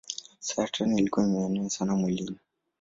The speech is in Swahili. Saratani ilikuwa imemuenea sana mwilini.